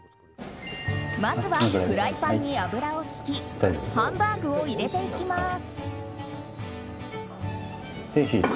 まずはフライパンに油をひきハンバーグを入れていきます。